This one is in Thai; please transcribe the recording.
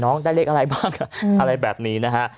ได้เลขอะไรบ้างอะไรแบบนี้นะฮะ